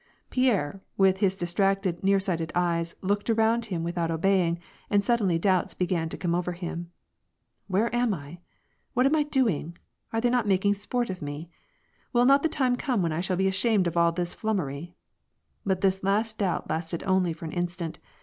Pierre, with his distracted, nearsighted eyes, looked around him without obeying, and suddenly doubts began to come over him. " Where am I ? What am I doing ? Are they not making sport of me ? Will not the time come when I shall be ashamed of all this flummery ?" But this doubt lasted only for an instant.